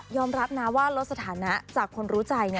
รับนะว่าลดสถานะจากคนรู้ใจ